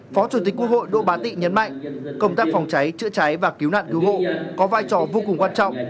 phó chủ tịch quốc hội đỗ bá tị nhấn mạnh công tác phòng cháy chữa cháy và cứu nạn cứu hộ có vai trò vô cùng quan trọng